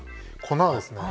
粉はですね